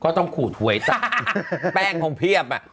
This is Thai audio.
ก็ต้องขูดหวยต่อแป้งพร้อมเพียบอ่ะ